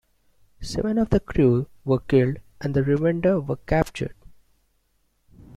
Seven of the crew were killed, and the remainder were captured.